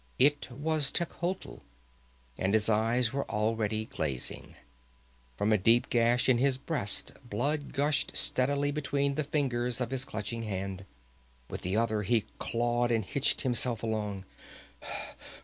It was Techotl and his eyes were already glazing; from a deep gash in his breast blood gushed steadily between the fingers of his clutching hand. With the other he clawed and hitched himself along.